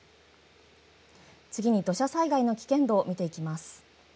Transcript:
次に土砂災害の危険度を見ていきます。